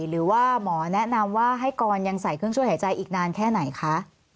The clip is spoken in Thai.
หรือว่าหมอแนะนำว่าให้กรยังใส่เครื่องช่วยหายใจอีกนานแค่ไหนคะ